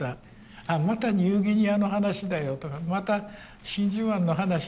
ああまたニューギニアの話だよとかまた真珠湾の話だよとかってなる。